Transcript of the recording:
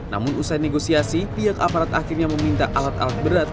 namun usai negosiasi pihak aparat akhirnya meminta alat alat berat